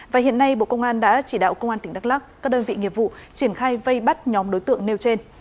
và hiện nay bộ công an đã chỉ đạo công an tỉnh đắk lắc các đơn vị nghiệp vụ triển khai vây bắt nhóm đối tượng nêu trên